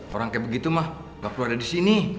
orang kayak begitu mah gak perlu ada disini